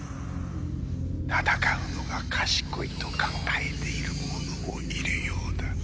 戦うのが賢いと考えている者もいるようだ